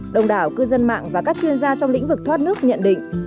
đồng đảo cư dân mạng và các chuyên gia trong lĩnh vực thoát nước nhận định